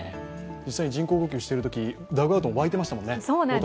実際に人工呼吸しているとき、ダグアウトも沸いていましたもんね。